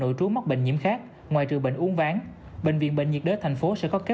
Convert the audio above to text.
tự trú mắc bệnh nhiễm khác ngoài trừ bệnh uống ván bệnh viện bệnh nhiệt đới tp hcm sẽ có kế